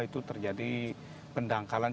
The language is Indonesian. itu terjadi pendangkalan